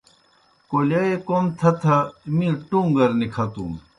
کولیوئے کوْم تھہ تھہ می ٹُوݩگر نِکَھتُن۔